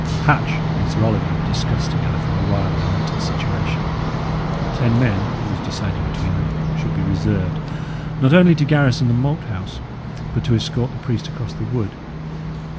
Hatch and Sir Oliver discussed together for a while their altered situation; ten men, it was decided between them, should be reserved, not only to garrison the Moat House, but to escort the priest across the wood.